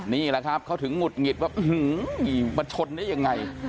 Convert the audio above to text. นี่แหละครับเขาถึงหงุดหงิดว่าอื้อหือมันชนได้ยังไง